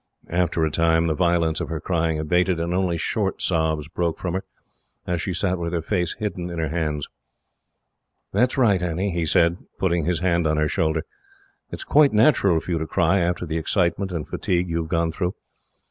After a time, the violence of her crying abated, and only short sobs broke from her, as she sat with her face hidden in her hands. "That is right, Annie," he said, putting his hand on her shoulder. "It is quite natural for you to cry, after the excitement and fatigue you have gone through.